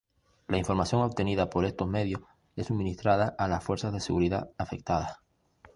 La información obtenida por estos medios es suministrada a las Fuerzas de Seguridad afectadas.